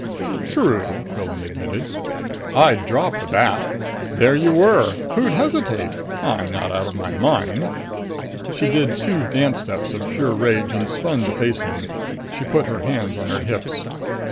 "True," Quillan admitted. "I'd dropped the bat. There you were. Who'd hesitate? I'm not out of my mind." She did two dance steps of pure rage and spun to face him. She put her hands on her hips.